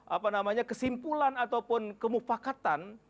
apa namanya kesimpulan ataupun kemufakatan